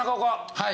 はい。